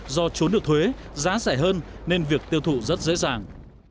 do trốn được thuế giá rẻ hơn nên việc tiêu thụ rất dễ dàng